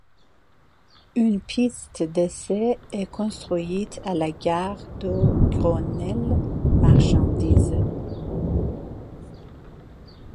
Une piste d'essai est construite à la gare de Grenelle-marchandises.